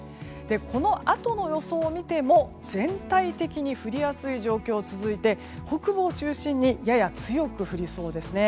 このあとの予想を見ても全体的に降りやすい状況が続いて、北部を中心にやや強く降りそうです。